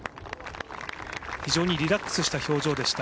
非常にリラックスした表情でした。